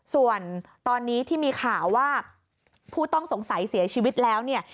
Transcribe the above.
ส่วนตอนนี้ที่มีข่าวว่าผู้ต้องสงสัยเสียชีวิตแล้วเนี่ย